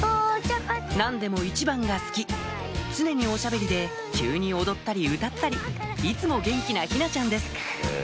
何でも１番が好き常におしゃべりで急に踊ったり歌ったりいつも元気な陽菜ちゃんです